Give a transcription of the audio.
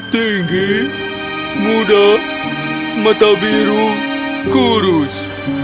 tinggi muda mata biru kurus